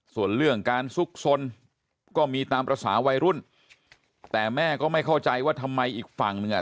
ส่วนเรื่องการซุกสนก็มีตามภาษาวัยรุ่นแต่แม่ก็ไม่เข้าใจว่าทำไมอีกฝั่งหนึ่งอ่ะ